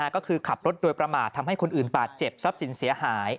ก็คือขับรถโดยประมาททำให้คนอื่นบาดเจ็บทรัพย์สินเสียหาย